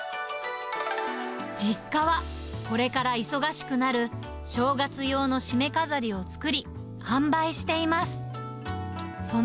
実家は、これから忙しくなる、正月用のしめ飾りを作り、販売しています。